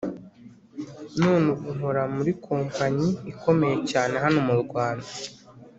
none ubu nkora muri kompanyi ikomeye cyane hano mu rwanda